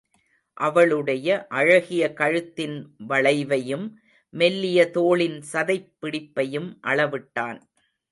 அவளுடைய அழகிய கழுத்தின் வளைவையும், மெல்லிய தோளின் சதைப் பிடிப்பையும் அளவிட்டான்.